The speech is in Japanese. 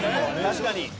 確かに。